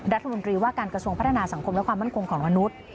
รัฐมนตรีว่าการกระทรวงพัฒนาสังคมและความมั่นคงของมนุษย์